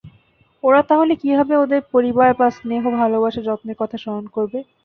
ওরা তাহলে কীভাবে ওদের পরিবার বা স্নেহ-ভালবাসা আর যত্নের কথা স্মরণ করবে?